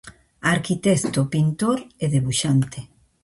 Arquitecto, pintor e debuxante.